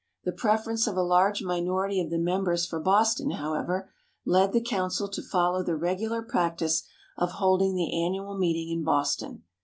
The preference of a large minority of the members for Boston, however, led the Council to follow the regular practice of holding the annual meeting in Boston.